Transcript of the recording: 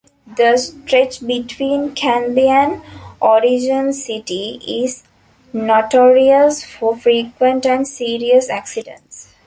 The stretch between Canby and Oregon City is notorious for frequent and serious accidents.